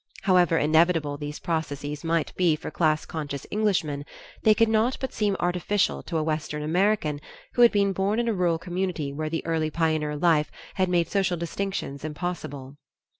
However inevitable these processes might be for class conscious Englishmen, they could not but seem artificial to a western American who had been born in a rural community where the early pioneer life had made social distinctions impossible.